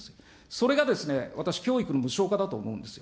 それがですね、私、教育の無償化だと思うんですよ。